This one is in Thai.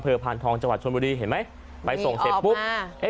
พานทองจังหวัดชนบุรีเห็นไหมไปส่งเสร็จปุ๊บอ่า